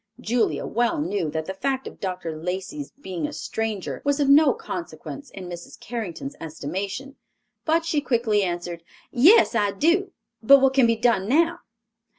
Julia well knew that the fact of Dr. Lacey's being a stranger was of no consequence in Mrs. Carrington's estimation, but she quickly answered, "Yes, I do; but what can be done now?"